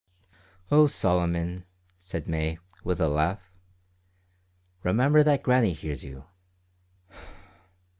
"Oh, Solomon!" said May, with a laugh. "Remember that Grannie hears you."